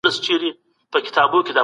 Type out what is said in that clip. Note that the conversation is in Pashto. ښه خوب بدن رغوي